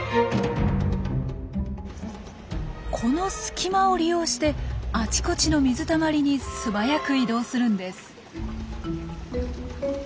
この隙間を利用してあちこちの水たまりに素早く移動するんです。